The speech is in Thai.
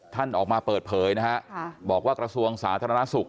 ท่านออกมาเปิดเผยนะฮะบอกว่ากระทรวงสาธารณสุข